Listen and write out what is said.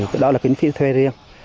cái đó là kiến phí thuê riêng